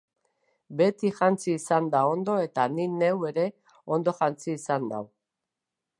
Beti jantzi izan da ondo eta ni neu ere ondo jantzi izan nau.